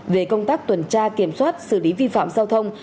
về công tác tuần tra kiểm soát xử lý vi phạm giao thông